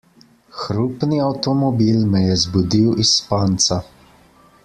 Hrupni avtomobil me je zbudil iz spanca.